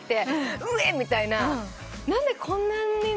私」みたいな。